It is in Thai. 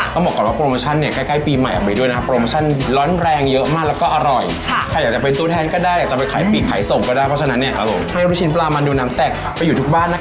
บอกก่อนว่าโปรโมชั่นเนี่ยใกล้ปีใหม่ออกไปด้วยนะโปรโมชั่นร้อนแรงเยอะมากแล้วก็อร่อยใครอยากจะเป็นตัวแทนก็ได้อยากจะไปขายปีกขายส่งก็ได้เพราะฉะนั้นเนี่ยครับผมให้ลูกชิ้นปลามันดูน้ำแตกไปอยู่ทุกบ้านนะคะ